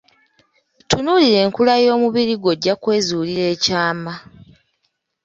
Tunuulira enkula y'omubiri gwe ojja kwezuulira ekyama.